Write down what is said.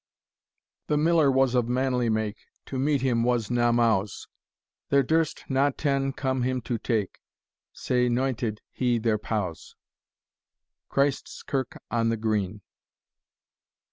The Miller was of manly make, To meet him was na mows; There durst na ten come him to take, Sae noited he their pows. CHRIST'S KIRK ON THE GREEN.